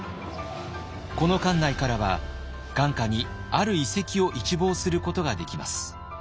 この館内からは眼下にある遺跡を一望することができます。